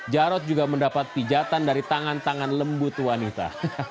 jarod juga mendapat pijatan dari tangan tangan lembut wanita